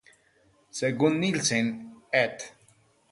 Según Nielsen "et.